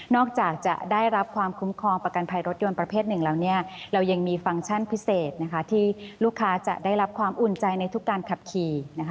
อกจากจะได้รับความคุ้มครองประกันภัยรถยนต์ประเภทหนึ่งแล้วเรายังมีฟังก์ชั่นพิเศษที่ลูกค้าจะได้รับความอุ่นใจในทุกการขับขี่